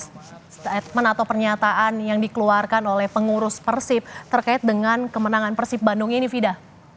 statement atau pernyataan yang dikeluarkan oleh pengurus persib terkait dengan kemenangan persib bandung ini fida